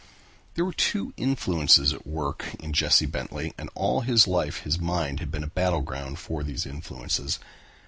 There were two influences at work in Jesse Bentley and all his life his mind had been a battleground for these influences.